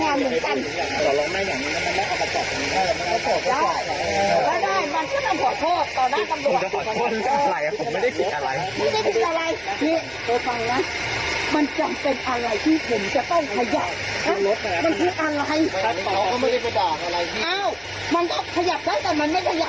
มันเป็นอะไรมันก็ไม่ได้ประดาษอะไรอ้าวมันก็ขยับได้แต่มันไม่ขยับ